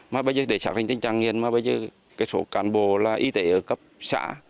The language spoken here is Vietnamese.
mà bây giờ để xác định tình trạng nghiện mà bây giờ cái số cán bồ y tế ở cấp xã